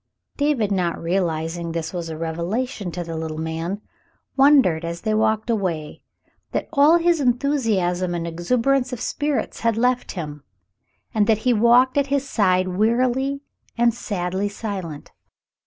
David, not realizing this was a revelation to the little man, wondered, as they walked away, that all his enthu siasm and exuberance of spirits had left him, and that he walked at his side wearily and sadly silent.